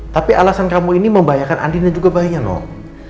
tapi alasan kamu ini membahayakan andi dan juga bayinya nol